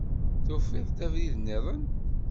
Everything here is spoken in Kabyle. Tufiḍ-d abrid-nniḍen?